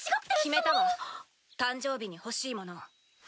決めたわ誕生日に欲しいもの。